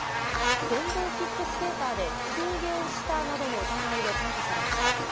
電動キックスケーターでひき逃げをしたなどの疑いで逮捕されました。